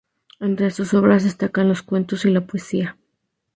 Entre sus obras destacan los cuentos y la poesía.